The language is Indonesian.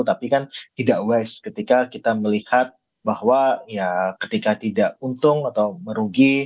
tapi kan tidak wese ketika kita melihat bahwa ya ketika tidak untung atau merugi